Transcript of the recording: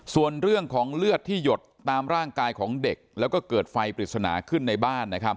ส่วนเรื่องของเลือดที่หยดตามร่างกายของเด็กแล้วก็เกิดไฟปริศนาขึ้นในบ้านนะครับ